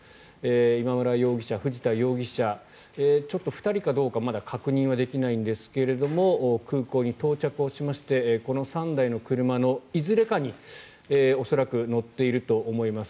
今村容疑者、藤田容疑者２人かどうかはまだ確認できないんですが空港に到着しましてこの３台の車のいずれかに恐らく乗っていると思います。